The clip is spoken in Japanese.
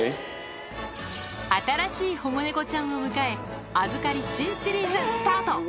新しい保護猫ちゃんを迎え、預かり新シリーズスタート。